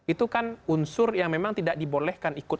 itu kan unsur yang memang tidak dibolehkan ikut